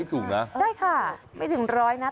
ไม่ถูกนะใช่ค่ะไม่ถึง๑๐๐บาทนะ